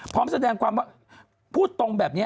พร้อมแสดงความว่าพูดตรงแบบนี้